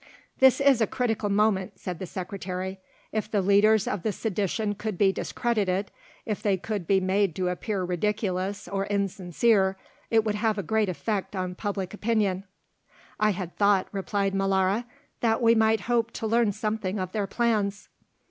"This is a critical moment," said the Secretary. "If the leaders of the sedition could be discredited, if they could be made to appear ridiculous or insincere, it would have a great effect on public opinion." "I had thought," replied Molara, "that we might hope to learn something of their plans."